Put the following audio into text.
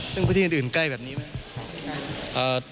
ซึ่งพื้นที่อื่นใกล้แบบนี้ไหม